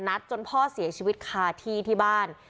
นัดจนพ่อเสียชีวิตคาที่ที่บ้าน